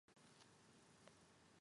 d ヴぁ h じゃ fh じゃ g か」